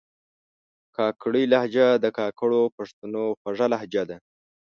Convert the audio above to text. کاکړۍ لهجه د کاکړو پښتنو خوږه لهجه ده